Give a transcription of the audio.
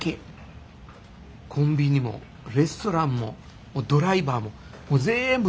コンビニもレストランもドライバーもぜんぶ